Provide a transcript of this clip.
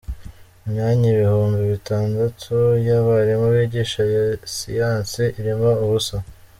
Imyanya ibihumbi bitandatu y’abarimu bigisha siyansi irimo ubusa